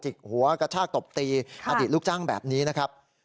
กหัวกระชากตบตีอดีตลูกจ้างแบบนี้นะครับ